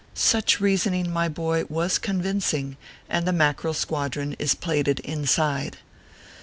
Such reasoning, my boy, was convincing, and the Mackerel Squadron is plated inside.